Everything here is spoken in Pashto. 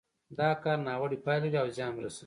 دا کار ناوړه پايلې لري او زيان رسوي.